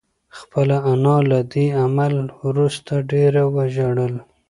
خپله انا له دې عمل وروسته ډېره وژړل.